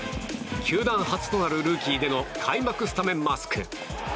球団初となる、ルーキーでの開幕スタメンマスク。